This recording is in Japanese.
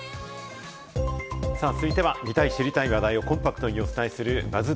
続いては、見たい知りたい話題をコンパクトにお伝えするＢＵＺＺ